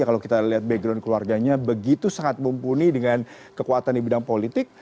kalau kita lihat background keluarganya begitu sangat mumpuni dengan kekuatan di bidang politik